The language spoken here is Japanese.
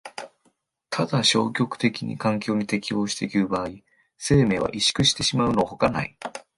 ただ消極的に環境に適応してゆく場合、生命は萎縮してしまうのほかない。